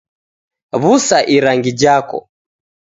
Wusa irangi jako